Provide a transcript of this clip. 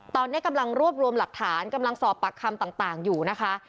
ตอนนี้กำลังรวบรวมหลักฐานกำลังสอบปากคำต่างอยู่นะคะ